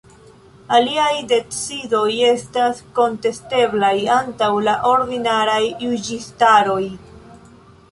Iliaj decidoj estas kontesteblaj antaŭ la ordinaraj juĝistaroj.